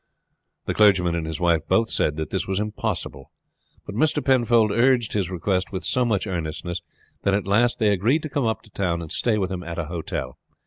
The clergyman and his wife both said that this was impossible. But Mr. Penfold urged his request with so much earnestness, that at last they agreed to come up to town and stay with him at a hotel.